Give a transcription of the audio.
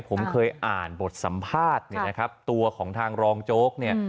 ผมเคยอ่านบทสัมภาษณ์เนี่ยนะครับตัวของทางรองโจ๊กเนี่ย